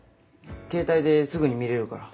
携帯ですぐに見れるから。